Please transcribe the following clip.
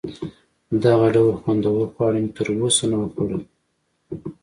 دغه ډول خوندور خواړه مې تر اوسه نه وه خوړلي.